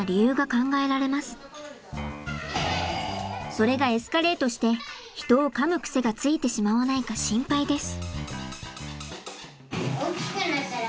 それがエスカレートして人をかむ癖がついてしまわないか心配です。